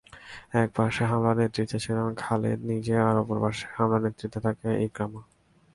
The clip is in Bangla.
এক পার্শ্ব হামলার নেতৃত্বে ছিলেন খালিদ নিজে আর অপর পার্শ্ব হামলার নেতৃত্বে থাকে ইকরামা।